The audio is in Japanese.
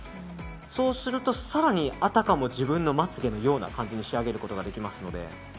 そうすると、更にあたかも自分のまつ毛のような感じに仕上げることができますので。